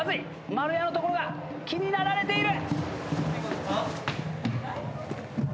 丸山の所が気になられている！